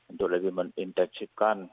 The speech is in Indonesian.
untuk lebih meninteksikan